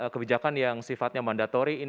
kebijakan yang sifatnya mandatori